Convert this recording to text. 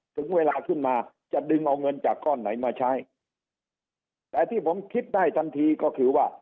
ถึงเวลาขึ้นมาจะดึงเอาเงินจากก้อนไหนมาใช้แต่ที่ผมคิดได้ทันทีก็คือว่า